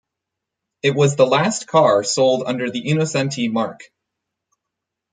It was the last car sold under the Innocenti marque.